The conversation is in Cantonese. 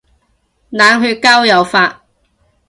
冷血交友法